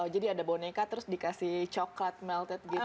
jadi ada boneka terus dikasih coklat melted gitu